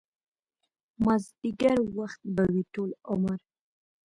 مازديګر وخت به وي ټول عمر